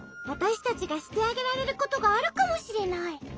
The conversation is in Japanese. わたしたちがしてあげられることがあるかもしれない。